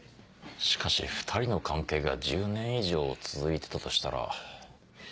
しかし２人の関係が１０年以上続いてたとしたら。